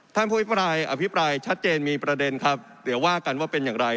ผู้อภิปรายอภิปรายชัดเจนมีประเด็นครับเดี๋ยวว่ากันว่าเป็นอย่างไร